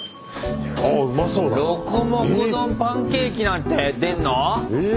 ロコモコ丼パンケーキなんて出んの？